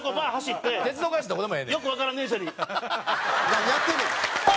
何やってんねん。